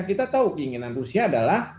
kita tahu keinginan rusia adalah